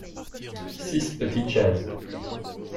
six petites chaises.